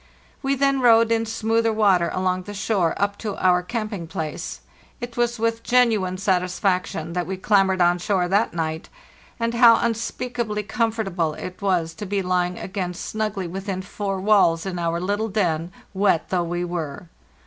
We then rowed in smoother water along the shore up to our camping place. It was with genu ine satisfaction that we clambered on shore that night, and how unspeakably comfortable it was to be lying again snugly within four walls in our little den, wet though we were!